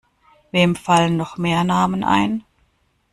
Wem fallen noch mehr Namen ein?